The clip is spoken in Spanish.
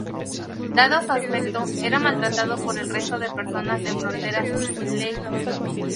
Dado su aspecto, era maltratado por el resto de personas en Fronteras sin ley.